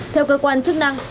theo cơ quan chức năng